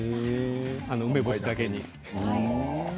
梅干しだけに。